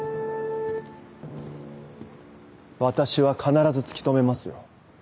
私は必ず突き止めますよ。